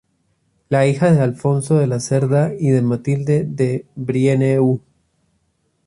Fue hija de Alfonso de la Cerda y de Matilde de Brienne-Eu.